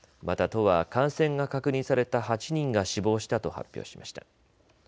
また都は感染が確認された８人が死亡したと発表しました。